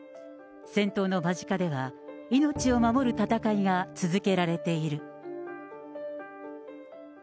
戦闘の間近では、命を守る戦いが続けられている。